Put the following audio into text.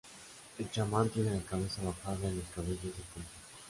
El chamán tiene la cabeza bajada y los cabellos de punta.